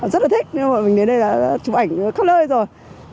rất là thích nhưng mà mình đến đây đã chụp ảnh khắp nơi rồi